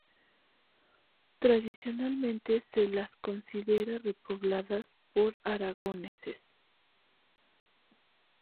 Tradicionalmente se las considera repobladas por aragoneses.